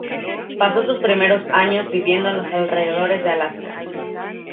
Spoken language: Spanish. Pasó sus primeros años viviendo en los alrededores de Alaska.